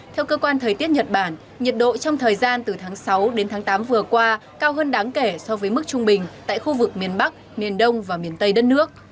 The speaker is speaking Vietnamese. theo cơ quan thời tiết nhật bản nhiệt độ trong thời gian từ tháng sáu đến tháng tám vừa qua cao hơn đáng kể so với mức trung bình tại khu vực miền bắc miền đông và miền tây đất nước